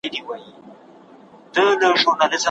په ښارونو کې اورېدونکي خلک خوشاله کوي.